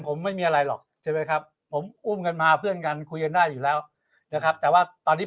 ผมไม่มีอะไรหรอกใช่ไหมครับผมอุ้มกันมาเพื่อนกันคุยกันได้อยู่แล้วนะครับแต่ว่าตอนนี้